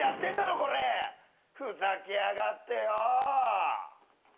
ふざけやがってよ。